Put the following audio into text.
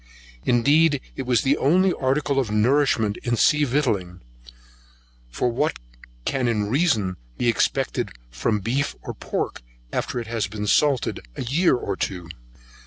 Indeed it is the only article of nourishment in sea victualling; for what can in reason be expected from beef or pork after it has been salted a year or two?